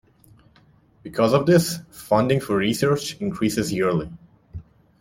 Because of this, funding for research increases yearly.